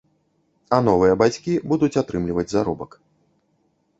А новыя бацькі будуць атрымліваць заробак.